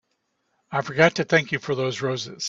I forgot to thank you for those roses.